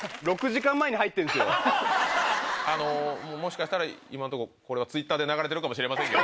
あのもしかしたら今のとここれがＴｗｉｔｔｅｒで流れてるかもしれませんよ。